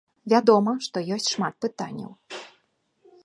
Вядома, што ёсць шмат пытанняў.